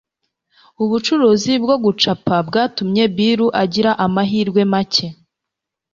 Ubucuruzi bwo gucapa bwatumye Bill agira amahirwe make.